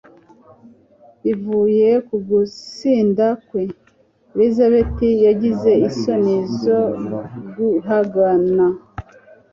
bivuye ku gusinda kwe, elizabeti yagize isoni zo guhangana